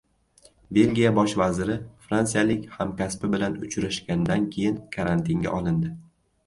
Belgiya bosh vaziri fransiyalik hamkasbi bilan uchrashgandan keyin karantinga olindi